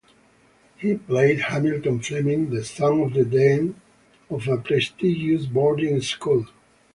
He played Hamilton Fleming, the son of the dean of a prestigious boarding school.